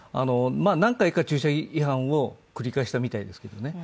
何回か駐車違反を繰り返したみたいですけどね。